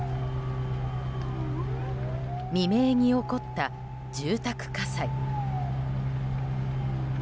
未明に起こった住宅火災。